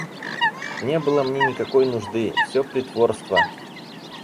Не было мне никакой нужды... Всё притворство!